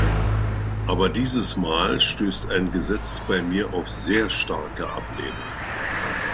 Aber dieses Mal stößt ein Gesetz bei mir auf sehr starke Ablehnung.